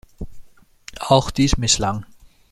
Auch dies misslang.